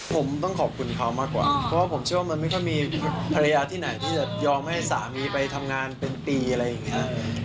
ผมต้องขอบคุณเขามากกว่าเพราะว่าผมเชื่อว่ามันไม่ค่อยมีภรรยาที่ไหนที่จะยอมให้สามีไปทำงานเป็นปีอะไรอย่างนี้